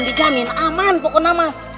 dijamin aman pokoknya